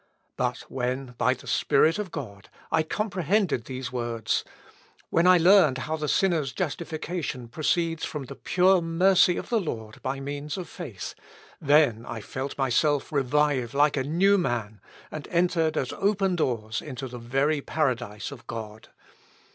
But when, by the Spirit of God, I comprehended these words; when I learned how the sinner's justification proceeds from the pure mercy of the Lord by means of faith, then I felt myself revive like a new man, and entered at open doors into the very paradise of God.